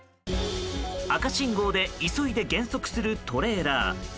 赤信号で急いで減速するトレーラー。